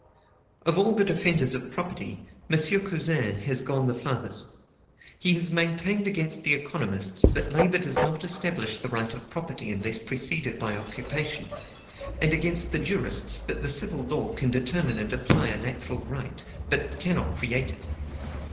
Of all the defenders of property, M. Cousin has gone the farthest. He has maintained against the economists that labor does not establish the right of property unless preceded by occupation, and against the jurists that the civil law can determine and apply a natural right, but cannot create it.